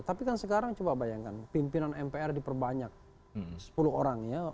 tapi kan sekarang coba bayangkan pimpinan mpr diperbanyak sepuluh orang ya